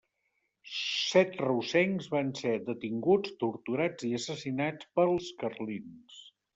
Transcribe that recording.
Set reusencs van ser detinguts, torturats i assassinats pels carlins.